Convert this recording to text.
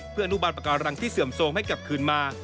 เพื่ออนุบาลปากการังที่เสื่อมโทรมให้กลับคืนมา